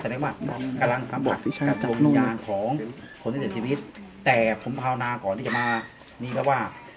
แสดงว่ากำลังสัมผัสโบสถ์ชีวิตแต่ผมพาวนาก่อนที่จะมานี่ก็ว่า